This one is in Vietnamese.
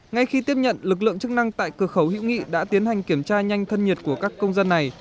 ngay khi tiếp nhận lực lượng chức năng tại cửa khẩu hữu nghị đã tiến hành kiểm tra nhanh thân nhiệt của các công dân này